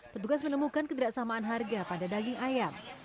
petugas menemukan kederaan samaan harga pada daging ayam